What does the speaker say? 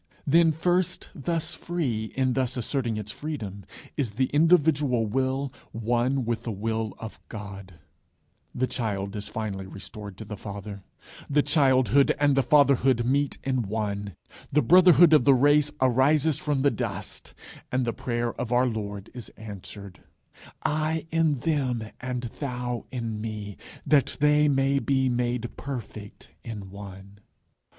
Then first, thus free, in thus asserting its freedom, is the individual will one with the Will of God; the child is finally restored to the father; the childhood and the fatherhood meet in one; the brotherhood of the race arises from the dust; and the prayer of our Lord is answered, "I in them and thou in me, that they may be made perfect in one."